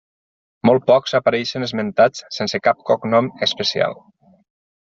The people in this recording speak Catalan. Molt pocs apareixen esmentats sense cap cognom especial.